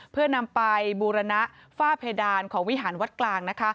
เพื่อนำไปบูรณะฝ้าเพดานของวิหารวัดกลาง